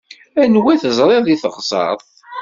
Anwa i twalaḍ deg teɣseṛt?